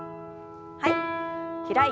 はい。